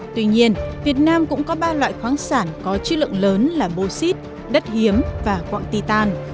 tuy nhiên việt nam cũng có ba loại khoáng sản có chữ lượng lớn là bô xít đất hiếm và quạng ti tàn